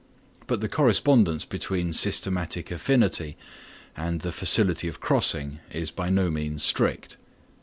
But the correspondence between systematic affinity and the facility of crossing is by no means strict.